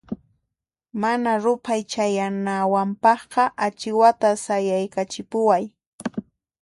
Mana ruphay chayanawanpaqqa achiwata sayaykachipuway.